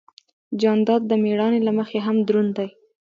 جانداد د مېړانې له مخې هم دروند دی.